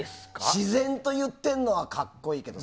自然と言ってるのは格好いいけど。